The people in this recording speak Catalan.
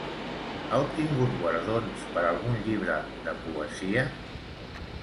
Ha obtingut guardons per algun llibre de poesia?